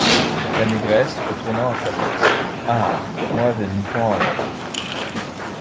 La Négresse , retournant à sa place. — Ah ! moi avais mis point en l’air !